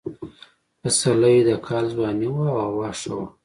پسرلی د کال ځواني وه او هوا ښه وه.